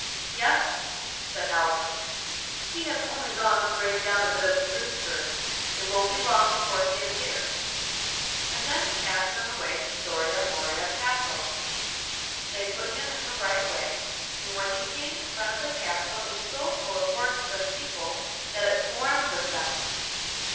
'Yes,' said Halvor, 'he has only gone to break down a bit of spruce fir. It won't be long before he is here.' And then he asked them the way to Soria Moria Castle. They put him in the right way, and when he came in front of the castle it was so full of horses and people that it swarmed with them.